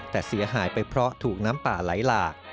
แต่เสียหายไปเพราะถูกน้ำป่าไหลหลาก